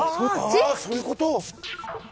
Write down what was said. そういうこと！